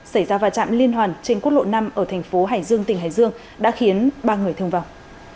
xảy ra va chạm liên hoàn trên quốc lộ năm ở thành phố hải dương tỉnh hải dương đã khiến ba người thương vọng